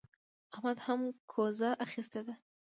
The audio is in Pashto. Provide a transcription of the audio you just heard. احمد هم کوزه اخيستې ده.